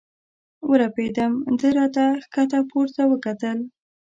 ورپېدم، ده را ته ښکته پورته وکتل.